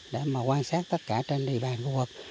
để mà quan sát tất cả trên địa bàn khu vực